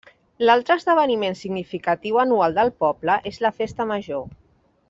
L'altre esdeveniment significatiu anual del poble és la festa major.